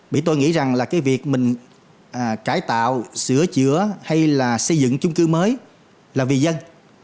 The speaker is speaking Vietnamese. bị tôi nghĩ rằng là cái việc mình cải tạo sửa chữa hay là xây dựng chung cư mới là vì dân